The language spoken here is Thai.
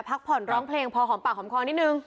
พักผ่อนร้องเพลงพอหอมปากหอมคอนิดนึง